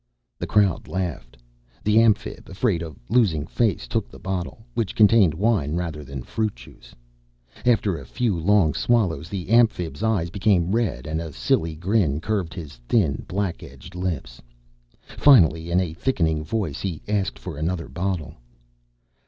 The crowd laughed. The Amphib, afraid of losing face, took the bottle which contained wine rather than fruit juice. After a few long swallows the Amphib's eyes became red and a silly grin curved his thin, black edged lips. Finally, in a thickening voice, he asked for another bottle.